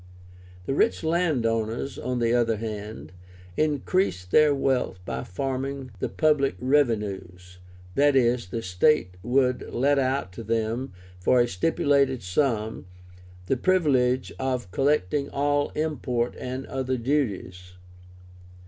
The rich land owners, on the other hand, increased their wealth by "farming" the public revenues; i.e. the state would let out to them, for a stipulated sum, the privilege of collecting all import and other duties.